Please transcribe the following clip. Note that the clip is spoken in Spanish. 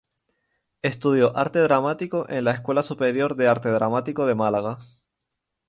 Estudió Arte Dramático en la Escuela Superior de Arte Dramático de Málaga.